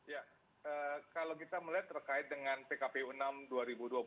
ya kalau kita melihat terkait dengan pkpu enam dua ribu dua puluh